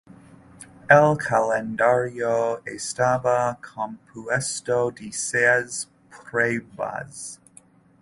El calendario estaba compuesto de seis pruebas.